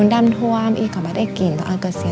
พอได้ห่านระเออแปลงเต้านูนดัมทัวร์โอ่ก็ไม่ได้กิน